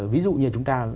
ví dụ như chúng ta